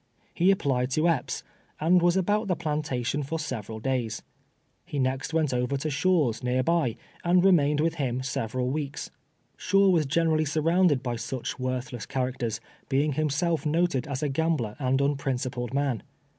He applied to Epps, and was about the plantation for several days. lie next went over to Shaw's, near by, and remained Avith him several weeks. Shaw was generally surrounded by such worthless characters, being himself noted as a gambler and unprincipled man.